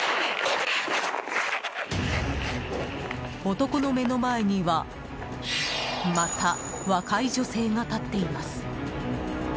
男の目の前にはまた若い女性が立っています。